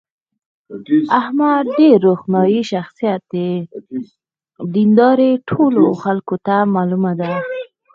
احمد ډېر روښاني شخصیت دی. دینداري ټولو خلکو ته معلومه ده.